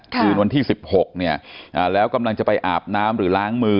คืนวันที่๑๖เนี่ยแล้วกำลังจะไปอาบน้ำหรือล้างมือ